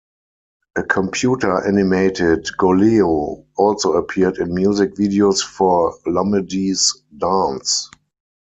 A computer-animated Goleo also appeared in music videos for Lumidee's Dance!